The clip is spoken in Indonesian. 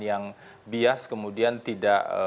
yang bias kemudian tidak